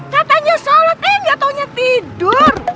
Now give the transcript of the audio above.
katanya sholat eh gak taunya tidur